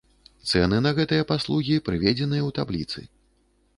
Цэны на гэтыя паслугі прыведзеныя ў табліцы.